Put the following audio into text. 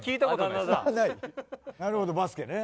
なるほどバスケね。